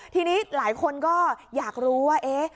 ทีนี้หลายคนก็อยากรู้ว่า